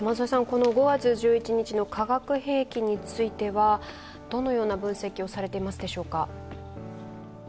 この５月１１日の化学兵器についていはどのような分析をされていますでしょうか？